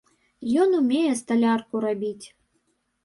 Ён умее сталярку рабіць.